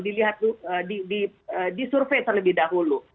dilihat di survei terlebih dahulu